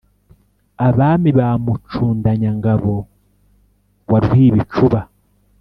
abami ba mucundanya-ngabo wa rwibicuba,